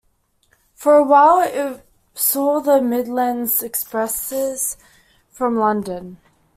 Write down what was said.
For a while it saw the Midlands's expresses from London.